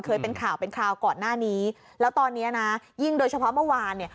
เคยเป็นข่าวเป็นคราวก่อนหน้านี้แล้วตอนเนี้ยนะยิ่งโดยเฉพาะเมื่อวานเนี่ย